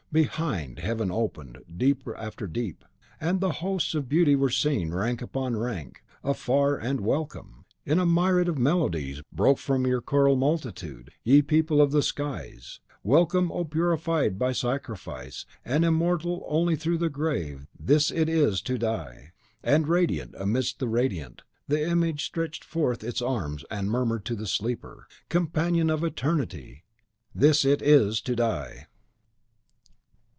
Behind, Heaven opened, deep after deep; and the Hosts of Beauty were seen, rank upon rank, afar; and "Welcome!" in a myriad melodies, broke from your choral multitude, ye People of the Skies, "welcome! O purified by sacrifice, and immortal only through the grave, this it is to die." And radiant amidst the radiant, the IMAGE stretched forth its arms, and murmured to the sleeper: "Companion of Eternity! THIS it is to die!"